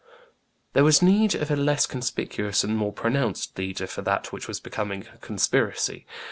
There was need of a less conspicuous and more pronounced leader for that which was becoming a conspiracy.